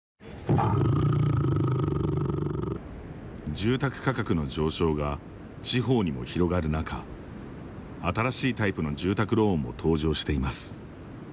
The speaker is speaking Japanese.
住宅価格の上昇が地方にも広がる中新しいタイプの住宅ローンも登場しています。